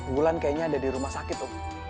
bulan kayaknya ada di rumah sakit tuh